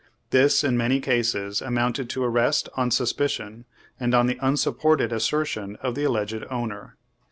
This, in many cases, amounted to arrest on suspicion, and on the unsupported assertion of the alleged owner.